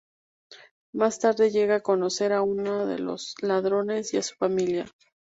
Más tarde llega a conocer a una de los ladrones y a su familia.